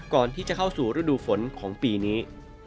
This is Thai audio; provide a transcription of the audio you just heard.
ก่อนที่จะเข้าสู่ฤดูฝนของปีนี้